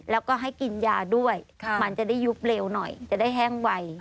แล้วก็ให้กินยาด้วยมันจะได้ยุบเร็วหน่อยจะได้แห้งไว